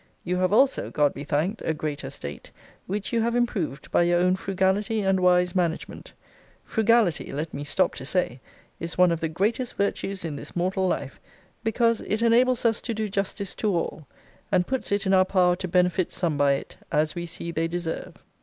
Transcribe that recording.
You have also, God be thanked, a great estate, which you have improved by your own frugality and wise management. Frugality, let me stop to say, is one of the greatest virtues in this mortal life, because it enables us to do justice to all, and puts it in our power to benefit some by it, as we see they deserve.